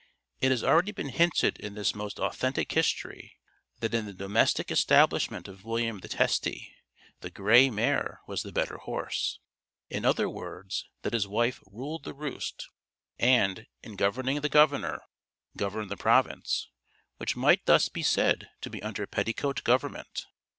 It has already been hinted in this most authentic history that in the domestic establishment of William the Testy "the grey mare was the better horse;" in other words, that his wife "ruled the roast," and, in governing the governor, governed the province, which might thus be said to be under petticoat government.